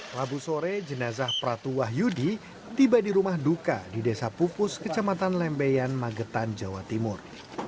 rabu sore jenazah pratu wahyudi tiba di rumah duka di desa pupus kecamatan lembeyan magetan jawa timur